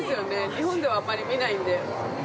日本ではあまり見ないんで。